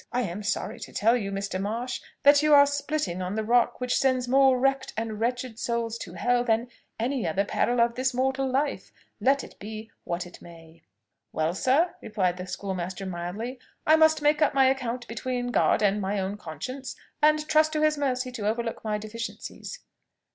I am sorry to tell you, Mr. Marsh, that you are splitting on the rock which sends more wrecked and wretched souls to hell than any other peril of this mortal life, let it be what it may." "Well, sir," replied the schoolmaster mildly, "I must make up my account between God and my own conscience, and trust to his mercy to overlook my deficiencies."